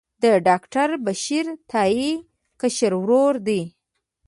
د ډاکټر بشیر تائي کشر ورور دی.